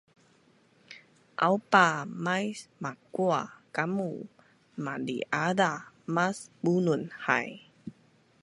Aupa, mais makua kamu mali-aza mas bunun hai